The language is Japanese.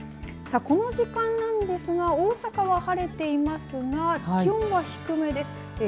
さあ、この時間なんですが大阪は晴れていますが気温は低めです。